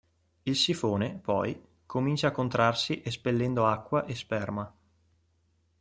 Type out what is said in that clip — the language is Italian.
Il sifone poi comincia a contrarsi espellendo acqua e sperma.